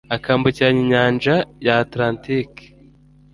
ukambukiranya inyanja ya Atlantique